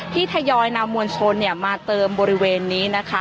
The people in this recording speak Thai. ทยอยนำมวลชนมาเติมบริเวณนี้นะคะ